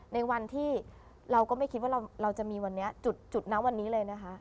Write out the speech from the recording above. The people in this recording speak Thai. ในวันที่เราก็ไม่คิดว่าเราจะมีวันนี้จุดนะวันนี้เลยนะคะ